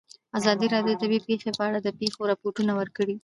ازادي راډیو د طبیعي پېښې په اړه د پېښو رپوټونه ورکړي.